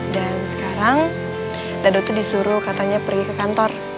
dan sekarang dado tuh disuruh katanya pergi ke kantor